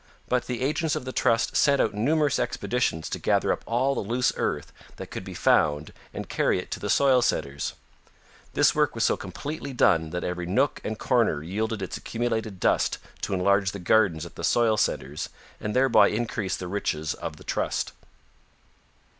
But the agents of the Trust sent out numerous expeditions to gather up all the loose earth that could be found and carry it to the soil centers. This work was so completely done that every nook and corner yielded its accumulated dust to enlarge the gardens at the soil centers and thereby increase the riches of the Trust.